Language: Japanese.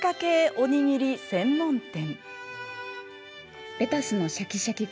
おにぎり専門店。